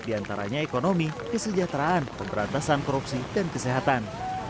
diantaranya ekonomi kesejahteraan pemberantasan korupsi dan kesehatan